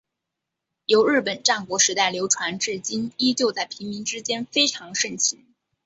由日本战国时代流传至今依旧在平民之间非常盛行。